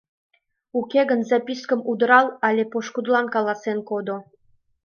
Уке гын, запискым удырал але пошкудылан каласен кодо.